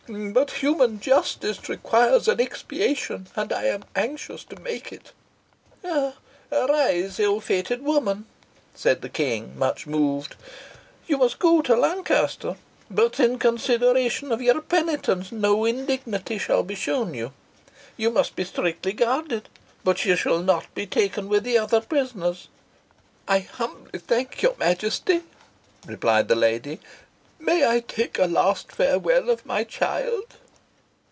But human justice requires an expiation, and I am anxious to make it." "Arise, ill fated woman," said the king, much moved. "You must go to Lancaster, but, in consideration of your penitence, no indignity shall be shown you. You must be strictly guarded, but you shall not be taken with the other prisoners." "I humbly thank your Majesty," replied the lady. "May I take a last farewell of my child?"